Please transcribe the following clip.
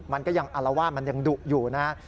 มันก็ยังอารวาสมันยังดุอยู่นะฮะ